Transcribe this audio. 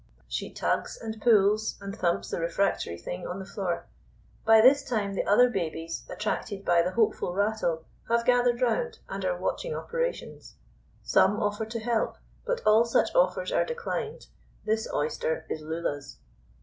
She tugs and pulls, and thumps the refractory thing on the floor. By this time the other babies, attracted by the hopeful rattle, have gathered round and are watching operations; some offer to help, but all such offers are declined. This oyster is Lulla's.